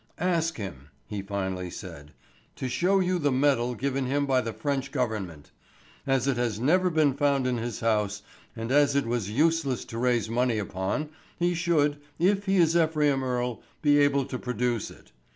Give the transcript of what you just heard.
"Ask him," he finally said, "to show you the medal given him by the French government. As it has never been found in his house, and as it was useless to raise money upon, he should, if he is Ephraim Earle, be able to produce it.